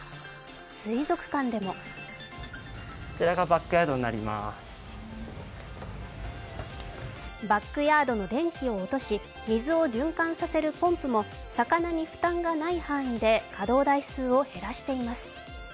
水族館でもバックヤードの電気を落とし水を循環させるポンプも魚に負担がない範囲で稼働台数を減らしています。